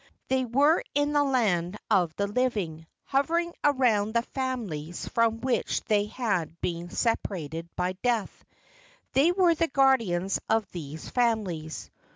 They were in the land of the living, hovering around the families from which they had been separated by death. They were the guardians of these families.